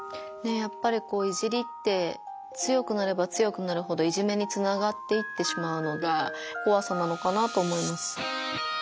やっぱり「いじり」って強くなれば強くなるほどいじめにつながっていってしまうのがこわさなのかなと思います。